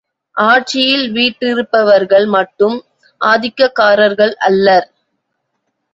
ஆட்சியில் வீற்றிருப்பவர்கள் மட்டும் ஆதிக்கக்காரர்கள் அல்லர்.